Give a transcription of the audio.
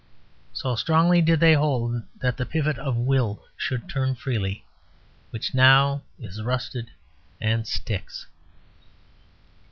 So strongly did they hold that the pivot of Will should turn freely, which now is rusted, and sticks.